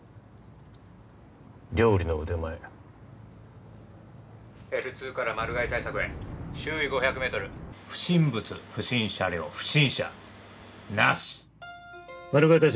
料理の腕前Ｌ２からマル害対策へ周囲５００メートル不審物不審車両不審者なしマル害対策